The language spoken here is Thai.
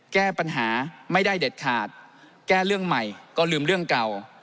แก้ปัญหาไม่ได้เด็ดขาดแก้เรื่องใหม่ก็ลืมเรื่องเก่า